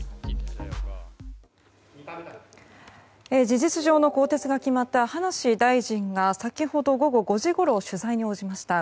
事実上の更迭が決まった葉梨大臣が先ほど午後５時ごろ取材に応じました。